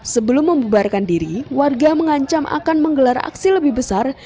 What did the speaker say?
sebelum membubarkan diri warga mengancam akan menggelar aksi lebih besar